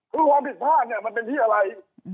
คือความผิดภาพมันเป็นที่อะไร